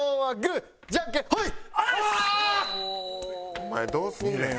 お前どうすんねん。